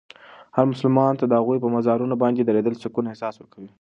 هر مسلمان ته د هغوی په مزارونو باندې درېدل د سکون احساس ورکوي.